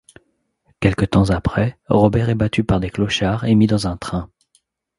Quelque temps après, Robert est battu par des clochards et mis dans un train.